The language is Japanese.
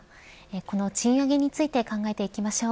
この賃上げについて考えていきましょう。